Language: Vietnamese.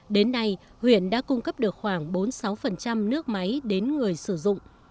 đến nay huyện đã cung cấp được khoảng bốn mươi sáu nước máy đến người sử dụng